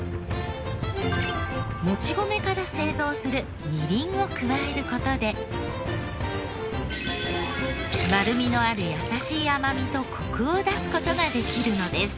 もち米から製造するみりんを加える事で丸みのある優しい甘みとコクを出す事ができるのです。